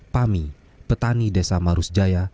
pami petani desa marus jaya